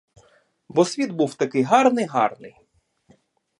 Бо світ був такий гарний, гарний!